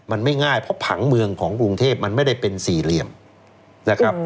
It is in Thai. มันไม่ง่ายเพราะผังเมืองของกรุงเทพมันไม่ได้เป็นสี่เหลี่ยมนะครับ